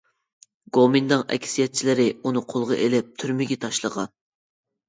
گومىنداڭ ئەكسىيەتچىلىرى ئۇنى قولغا ئېلىپ تۈرمىگە تاشلىغان.